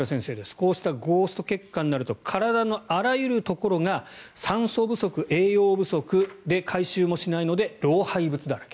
こうしたゴースト血管になると体のあらゆるところが酸素不足、栄養不足で、回収もしないので老廃物だらけ。